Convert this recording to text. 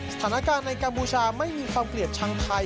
สถานการณ์ในกัมพูชาไม่มีความเกลียดชังไทย